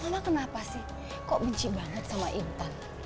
karena kenapa sih kok benci banget sama intan